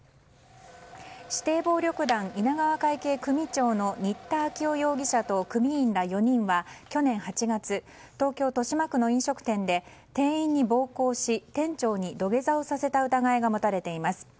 指定暴力団稲川会系組長の新田昭生容疑者と組員ら４人は去年８月東京・豊島区の飲食店で店員に暴行し店長に土下座をさせた疑いが持たれています。